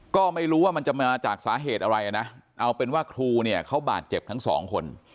ก็ไม่รู้ว่ามันจะมาจากสาเหตุอะไรนะเอาเป็นว่าครูเนี่ยเขาบาดเจ็บทั้งสองคน